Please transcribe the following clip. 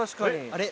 あれ？